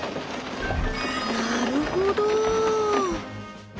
なるほど！